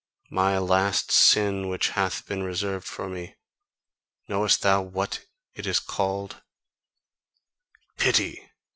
My last sin which hath been reserved for me, knowest thou what it is called?" "PITY!"